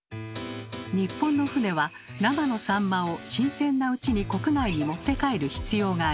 日本の船は生のサンマを新鮮なうちに国内に持って帰る必要があります。